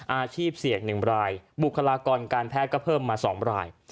อาชีพเสี่ยง๑รายบุคลากรการแพทย์ก็เพิ่มมา๒ราย